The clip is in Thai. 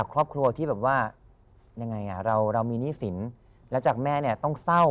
ก็เปลี่ยนมากพี่แม่มเปลี่ยนมากที่สุด